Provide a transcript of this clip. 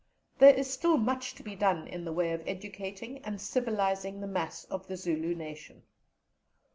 There is still much to be done in the way of educating and civilizing the mass of the Zulu nation.